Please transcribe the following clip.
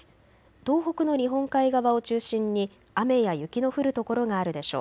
東北の日本海側を中心に雨や雪の降る所があるでしょう。